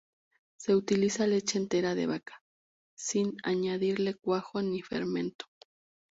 Se utiliza leche entera de vaca, sin añadirle cuajo ni fermento.